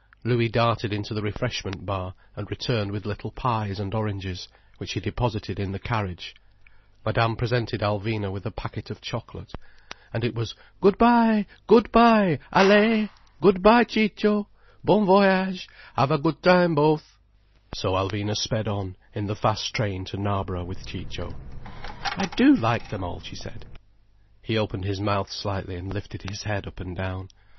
Louis darted into the refreshment bar and returned with little pies and oranges, which he deposited in the carriage, Madame presented Alvina with a packet of chocolate. And it was "Good bye, good bye, Allaye! Good bye, Ciccio! Bon voyage. Have a good time, both." So Alvina sped on in the fast train to Knarborough with Ciccio. "I do like them all," she said. He opened his mouth slightly and lifted his head up and down.